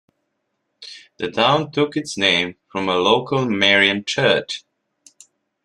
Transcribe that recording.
The town took its name from a local Marian church.